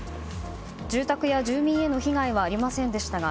住宅や住民への被害はありませんでしたが